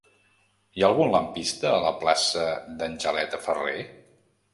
Hi ha algun lampista a la plaça d'Angeleta Ferrer?